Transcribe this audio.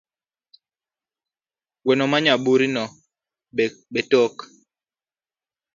Gweno ma nyaburino betook?